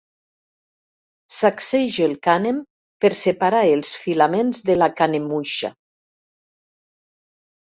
Sacsejo el cànem per separar els filaments de la canemuixa.